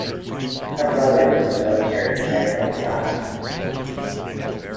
Her brother was the military general Yang Hu.